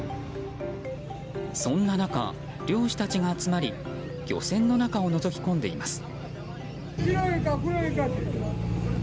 そんな中、漁師たちが集まり漁船の中をのぞき込んでいます。